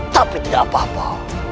tapi tidak apa apa